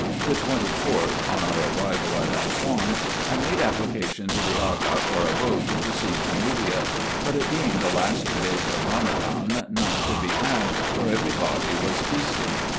The 24th, on our arrival at Assouan, I made application to the Aga for a boat to proceed to Nubia ; but, it being the last two days of Ramadan, none could be had, for every body was feasting.